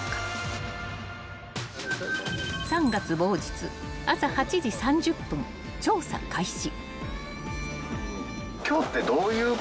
［３月某日朝８時３０分調査開始］